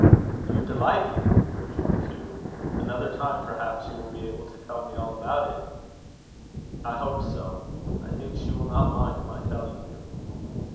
"You delight me," rejoined Hugh "Another time, perhaps, you will be able to tell me all about it." "I hope so. I think she will not mind my telling you."